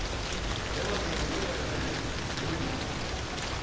山内が今トレーラーにはねられて病院に運ばれ。